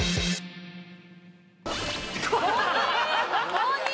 ５人！？